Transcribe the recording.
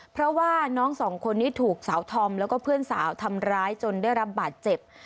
เพราะว่าน้องสองคนนี้ถูกสาวธอมแล้วก็เพื่อนสาวทำร้ายจนได้รับบาดเจ็บ